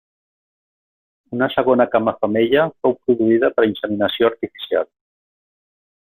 Una segona cama femella fou produïda per inseminació artificial.